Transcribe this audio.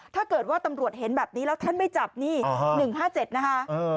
ถ้าเกิดว่าตำรวจเห็นแบบนี้แล้วท่านไม่จับนี่๑๕๗นะคะ